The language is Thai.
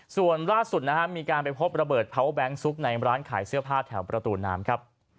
ส่วนล่าสุดนะครับมีการไปพบระเบิดเผาแก๊งซุกในร้านขายเสื้อผ้าแถวประตูน้ำครับ